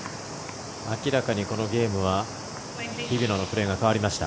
明らかにこのゲームは日比野のプレーが変わりました。